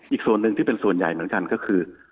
อีกส่วนหนึ่งที่เป็นส่วนใหญ่เหมือนกันก็คือ